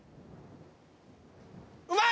うまい！